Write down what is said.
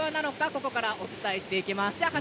ここからお伝えしていきます。は